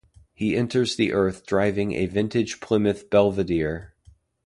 He enters the earth driving a vintage Plymouth Belvedere.